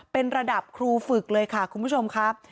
เป็นระดับครูฝึกเลยค่ะคุณผู้ชมครับ